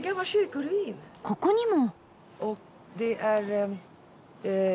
ここにも！